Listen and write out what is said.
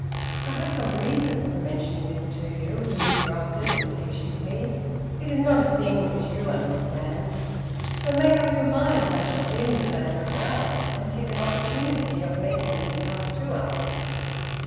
"I have some reason for mentioning this to you," he interrupted, impatiently; "it is not a thing which you understand, so make up your mind, I shall bring the matter about, and take an opportunity of making him come to us."